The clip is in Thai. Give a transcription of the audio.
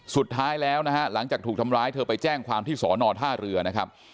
สุดท้ายแล้วนะฮะหลังจากถูกทำร้ายเธอไปแจ้งความที่สอนอท่าเรือนะครับ